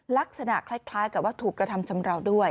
ลักษณะคล้ายกับว่าถูกกระทำชำราวด้วย